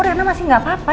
rena masih gak apa apa